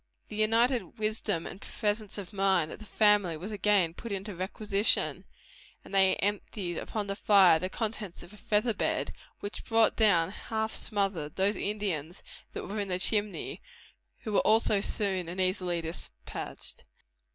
The united wisdom and presence of mind of the family was again put in requisition, and they emptied upon the fire the contents of a feather bed, which brought down, half smothered, those Indians that were in the chimney, who were also soon and easily despatched.